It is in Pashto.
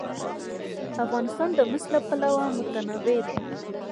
افغانستان د مس له پلوه متنوع دی.